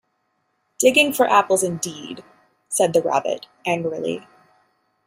‘Digging for apples, indeed!’ said the Rabbit angrily.